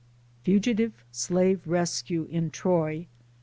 FUGITIVE SLAVE RESCUE IN TROY.